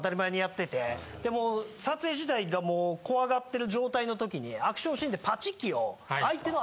もう撮影自体が怖がってる状態の時にアクションシーンで。